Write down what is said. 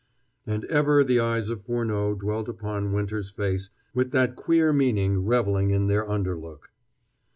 And ever the eyes of Furneaux dwelt upon Winter's face with that queer meaning reveling in their underlook.